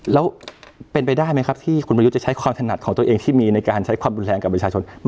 แล้วเป็นไปได้ไหมครับที่คุณประยุทธ์จะใช้ความถนัดของตัวเองที่มีในการใช้ความรุนแรงกับประชาชน